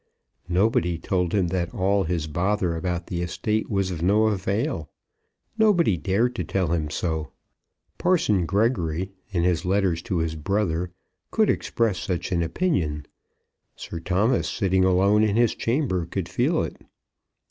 Nobody told him that all his bother about the estate was of no avail. Nobody dared to tell him so. Parson Gregory, in his letters to his brother, could express such an opinion. Sir Thomas, sitting alone in his chamber, could feel it.